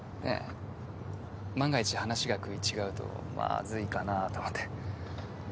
万が一話が食い違うとマズいかなと思って。